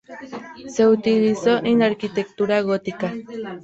Se utilizó en la arquitectura gótica.